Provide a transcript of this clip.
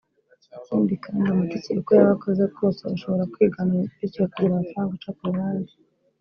Ikindi kandi amatike uko yaba akoze kose aba ashobora kwiganwa bityo hakagira amafaranga aca ku ruhande